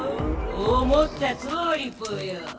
思ったとおりぽよ。